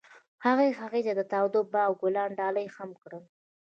هغه هغې ته د تاوده باغ ګلان ډالۍ هم کړل.